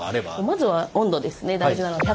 まずは温度ですね大事なの。